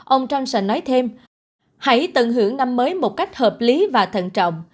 ông johnson nói thêm hãy tận hưởng năm mới một cách hợp lý và thận trọng